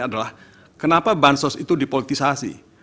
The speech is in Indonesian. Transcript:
adalah kenapa bansos itu dipolitisasi